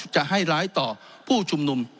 จะให้ร้ายต่อผู้ชุมนุม